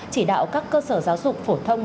chỉ đạo các cơ sở giáo dục phổ thông